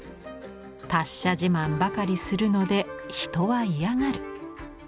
達者自慢ばかりするので人はいやがる」。